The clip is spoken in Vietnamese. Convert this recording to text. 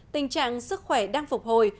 tình trạng sức khỏe đang phục hồi